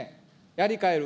やりかえる。